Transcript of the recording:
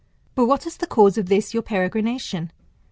But what is the cause of this your peregrination